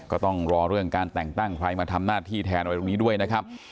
ก็ต้องรอเรื่องการแต่งตั้งใครมาทำหน้าที่แทนอะไรตรงนี้ด้วยนะครับ